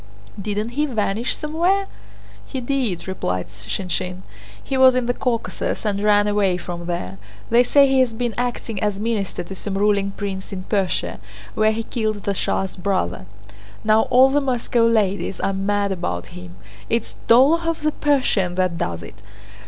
"Didn't he vanish somewhere?" "He did," replied Shinshín. "He was in the Caucasus and ran away from there. They say he has been acting as minister to some ruling prince in Persia, where he killed the Shah's brother. Now all the Moscow ladies are mad about him! It's 'Dólokhov the Persian' that does it!